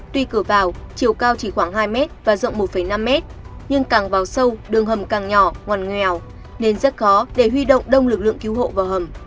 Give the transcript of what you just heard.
tuy cửa vào chiều cao chỉ khoảng hai m và rộng một năm m nhưng càng vào sâu đường hầm càng nhỏ ngoàn nghèo nên rất khó để huy động đông lực lượng cứu hộ vào hầm